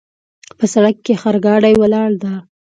په سړک کې خرګاډۍ ولاړ ده